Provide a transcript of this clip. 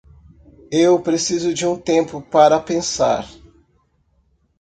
Eu preciso de um tempo para pensar.